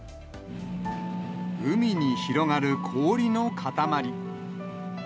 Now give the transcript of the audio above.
海に広がる氷の塊。